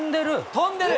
とんでる。